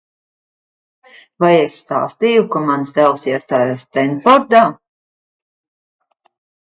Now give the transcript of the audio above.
Vai es stāstīju, ka mans dēls iestājās Stenfordā?